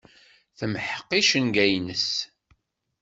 Temḥeq icenga-nnes.